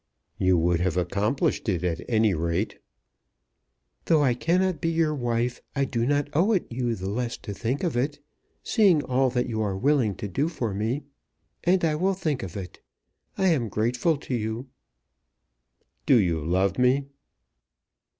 "You would have accomplished it, at any rate." "Though I cannot be your wife I do not owe it you the less to think of it, seeing all that you are willing to do for me, and I will think of it. I am grateful to you." "Do you love me?"